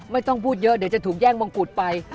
ไม่ต้องพูดเยอะเดี๋ยวจะถูกแย่งมงกุฎไป